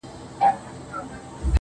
د پریان لوري، د هرات او ګندارا لوري